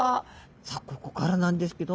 さあここからなんですけど。